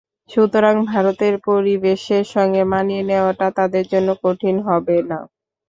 সুতরাং, ভারতের পরিবেশের সঙ্গে মানিয়ে নেওয়াটা তাদের জন্য কঠিন হবে না।